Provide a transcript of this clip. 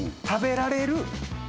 食べられる。